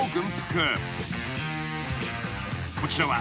［こちらは］